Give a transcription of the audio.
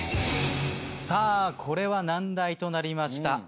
さあこれは難題となりました。